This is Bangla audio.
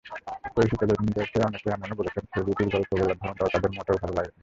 পরিচিতজনদের অনেক এমনও বলছেন, ছবিটির গল্প বলার ধরনটাও তাঁদের মোটেও ভালো লাগেনি।